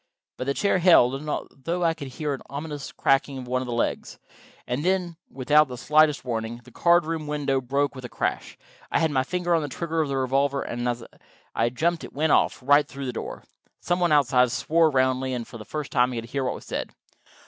But the chair held, although I could hear an ominous cracking of one of the legs. And then, without the slightest warning, the card room window broke with a crash. I had my finger on the trigger of the revolver, and as I jumped it went off, right through the door. Some one outside swore roundly, and for the first time I could hear what was said.